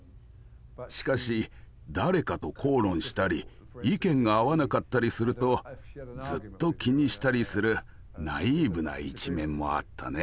しかし誰かと口論したり意見が合わなかったりするとずっと気にしたりするナイーブな一面もあったね。